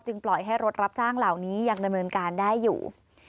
ปล่อยให้รถรับจ้างเหล่านี้ยังดำเนินการได้อยู่